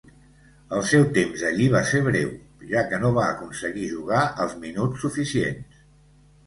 El seu temps allí va ser breu, ja que no va aconseguir jugar els minuts suficients.